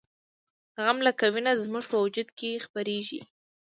غم لکه وینه زموږ په وجود کې خپریږي